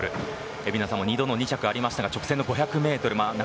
蛯名さんも２度の２着ありましたが直線の５００ｍ